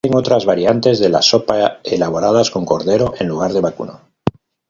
Existen otras variantes de la sopa elaboradas con cordero en lugar de vacuno.